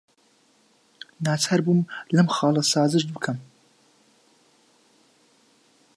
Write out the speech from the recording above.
ناچار بووم لەم خاڵە سازش بکەم.